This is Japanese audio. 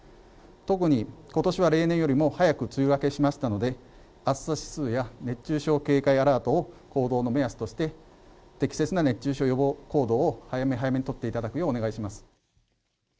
特に今年は例年よりも早く梅雨明けしましたので、暑さ指数や熱中症警戒アラートを行動の目安として、適切な熱中症予防行動を早め早めに取っていただくようお願いしま